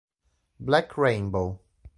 Black Rainbow.